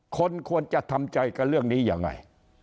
คนควรจะทำใจกับเรื่องนี้ยังไง